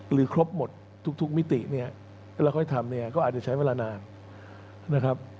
ครบหมดทุกมิติเนี่ยแล้วค่อยทำเนี่ยก็อาจจะใช้เวลานานนะครับ